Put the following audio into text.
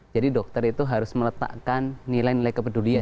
jadi dokter itu harus meletakkan nilai nilai kepedulian